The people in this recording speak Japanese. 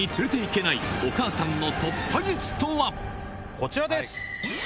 こちらです。